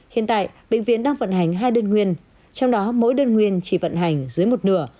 hiện tại bệnh viện đang vận hành hai đơn nguyên trong đó mỗi đơn nguyên chỉ vận hành dưới một nửa